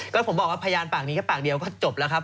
ก็ผมบอกว่าพยานปากนี้แค่ปากเดียวก็จบแล้วครับ